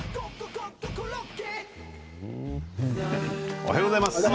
おはようございます。